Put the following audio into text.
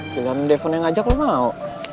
jalan depon yang ngajak lo mau